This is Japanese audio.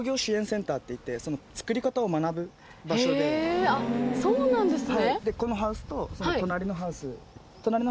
へぇそうなんですね。